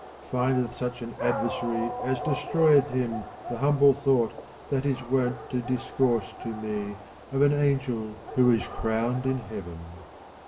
III Findeth such an adversary as destroyeth him the 61 62 THE CONVIVIO humble thought that is wont to discourse to me of an angel who is crowned in heaven.